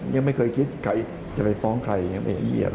ไม่รู้ยังไม่เคยคิดจะไปฟ้องใครยังไม่เห็นยี่อะไร